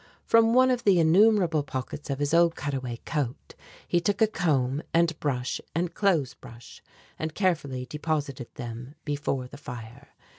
From one of the innumerable pockets of his old cutaway coat he took a comb and brush and clothes brush, and carefully deposited them before the fire.